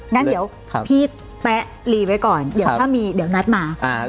งั้นเดี๋ยวพี่แป๊ะรีไว้ก่อนเดี๋ยวถ้ามีเดี๋ยวนัดมา